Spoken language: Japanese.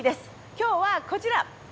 今日はこちら。